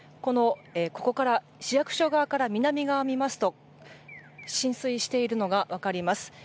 ここから市役所側から南側、見ますと浸水しているのが分かります。